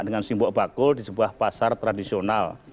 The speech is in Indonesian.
dengan simbok bakul di sebuah pasar tradisional